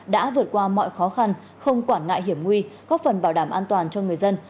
đã vượt qua mọi khó khăn không quản ngại hiểm nguy góp phần bảo đảm an toàn cho người dân